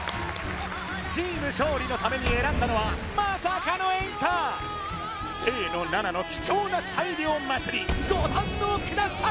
チーム勝利のために選んだのはまさかの演歌清野菜名の貴重な「大漁まつり」ご堪能ください